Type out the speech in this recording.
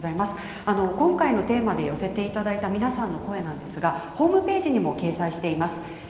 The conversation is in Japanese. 今回のテーマで寄せていただいた皆さんの声なんですがホームページでも掲載しています。